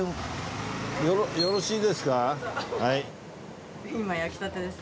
よろしいですか？